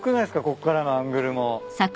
こっからのアングルも。